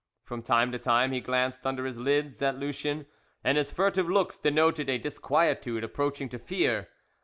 From time to time he glanced under his lids at Lucien, and his furtive looks denoted a disquietude approaching to fear.